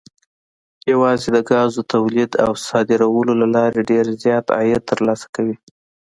یوازې د ګازو تولید او صادرولو له لارې ډېر زیات عاید ترلاسه کوي.